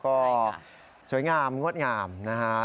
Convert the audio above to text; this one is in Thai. ก็สวยงามงดงามนะฮะ